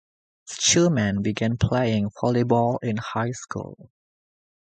Schumann began playing volleyball in high school.